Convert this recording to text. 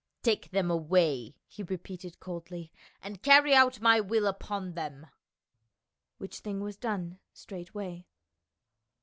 "Take them away," he repeated coldly, "and carry out my will upon them." Which thing was done straightway.